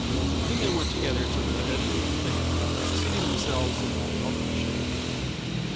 Then they went together to the edge of the thicket, seating themselves in a welcome shade.